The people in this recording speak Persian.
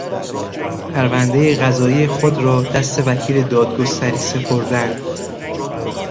پروندهی قضایی خود را دست وکیل دادگستری سپردن